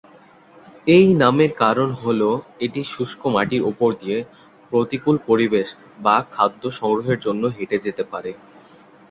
এই নামের কারণ হলো এটি শুষ্ক মাটির উপর দিয়ে প্রতিকূল পরিবেশ বা খাদ্য সংগ্রহের জন্য হেঁটে যেতে পারে।